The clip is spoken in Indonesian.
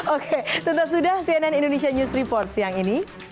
oke sudah sudah cnn indonesia news report siang ini